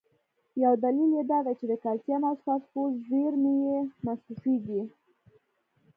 یو دلیل یې دا دی چې د کلسیم او فاسفورس زیرمي یې مصرفېږي.